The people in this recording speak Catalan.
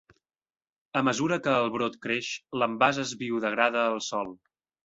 A mesura que el brot creix, l'envàs es biodegrada al sòl.